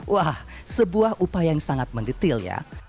wah sebuah upaya yang sangat mendetail ya